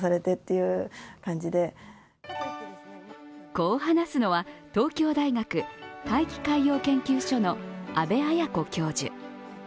こう話すのは、東京大学大気海洋研究所の阿部彩子教授。